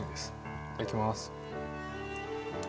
いただきます。